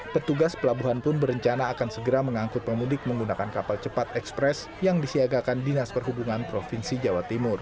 petugas pelabuhan pun berencana akan segera mengangkut pemudik menggunakan kapal cepat ekspres yang disiagakan dinas perhubungan provinsi jawa timur